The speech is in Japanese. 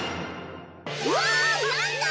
わなんだ！